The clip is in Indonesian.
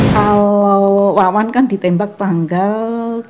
kalau wawan kan ditembak tanggal